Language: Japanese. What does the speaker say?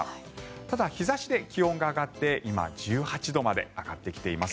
ただ、日差しで気温が上がって今１８度まで上がってきています。